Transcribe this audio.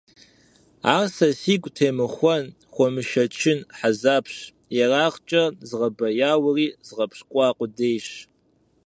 Ар сэ си гум темыхуэн, хуэмышэчын хьэзабщ, ерагъкӀэ згъэбэяури згъэпщкӀуа къудейщ.